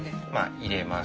入れます。